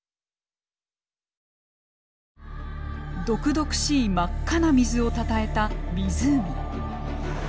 毒々しい真っ赤な水をたたえた湖。